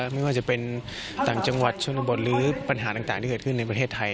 ไม่ว่าจะเป็นต่างจังหวัดชนบทหรือปัญหาต่างที่เกิดขึ้นในประเทศไทย